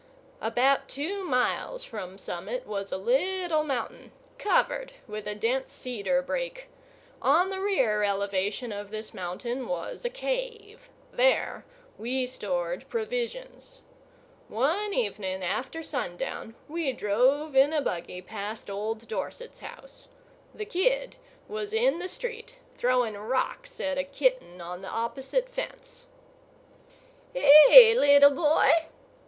About two miles from Summit was a little mountain, covered with a dense cedar brake. On the rear elevation of this mountain was a cave. There we stored provisions. One evening after sundown, we drove in a buggy past old Dorset's house. The kid was in the street, throwing rocks at a kitten on the opposite fence. "Hey, little boy!"